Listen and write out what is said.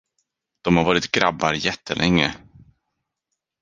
De har varit grabbar jättelänge.